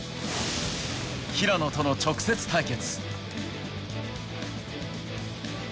平野との直接対決。